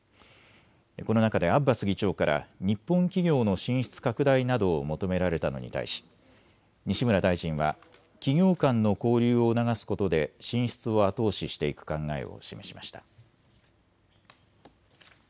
この中でアッバス議長から日本企業の進出拡大などを求められたのに対し西村大臣は企業間の交流を促すことで進出を後押ししていく考えを示しました。